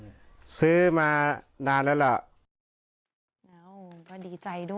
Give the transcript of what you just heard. เลือกซื้อไว้หล่อยมอสไซอ์หนึ่งไง